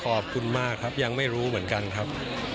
ขอบคุณมากครับยังไม่รู้เหมือนกันครับ